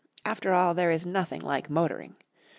After all there is nothing like motoring.